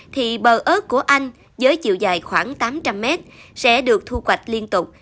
thì bờ ớt của anh với chiều dài khoảng tám trăm linh mét sẽ được thu quạch liên tục